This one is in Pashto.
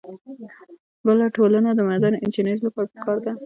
بله ټولنه د معدن انجینرانو لپاره ده.